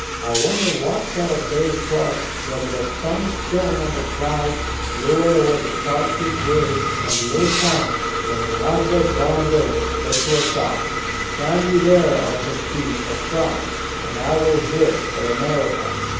I wonder what sort of day it was ; whether the sun shone or the clouds low ered over the solitary grave on the little farm, when Mar garet Bonneville said to her child, "Stand you there at his feet, for France ; and I will here, for America."